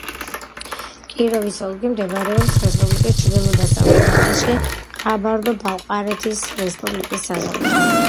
კიროვის ოლქი მდებარეობს რესპუბლიკის ჩრდილო-დასავლეთ ნაწილში, ყაბარდო-ბალყარეთის რესპუბლიკის საზღვართან.